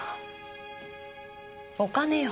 お金よ。